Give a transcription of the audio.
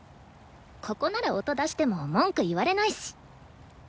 ここなら音出しても文句言われないし。